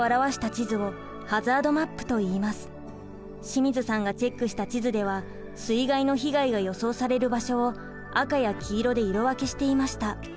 清水さんがチェックした地図では水害の被害が予想される場所を赤や黄色で色分けしていました。